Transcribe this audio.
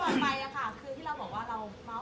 คือที่เราบอกว่าเราเมาส์กับเพื่อน